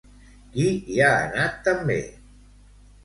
Qui hi ha anat també?